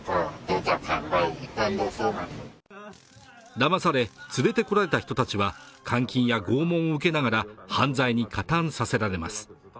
騙され連れてこられた人たちは監禁や拷問を受けながら犯罪に加担させられます